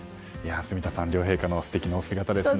住田さん両陛下、素敵なお姿ですね。